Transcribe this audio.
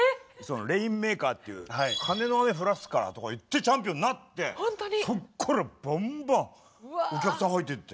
レインメーカーっていう「カネの雨を降らすから」とか言ってチャンピオンになってそっからばんばんお客さん入っていって。